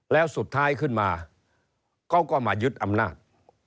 แล้วสุดท้ายขึ้นมาเขาก็มายึดอำนาจ